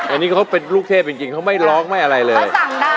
อันนี้เขาเป็นลูกเทพจริงเขาไม่ร้องไม่อะไรเลย